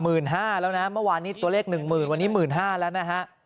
ห้าแล้วนะเมื่อวานนี้ตัวเลขหนึ่งหมื่นวันนี้หมื่นห้าแล้วนะฮะ